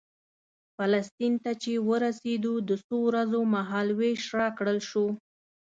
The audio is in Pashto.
فلسطین ته چې ورسېدو د څو ورځو مهال وېش راکړل شو.